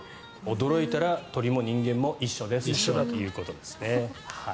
驚いたら人間も鳥も一緒だということですね。